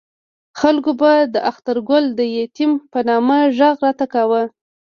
خلکو به د اخترګل د یتیم په نامه غږ راته کاوه.